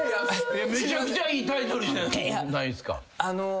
めちゃくちゃいいタイトル。